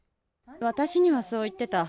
私にはそう言ってた。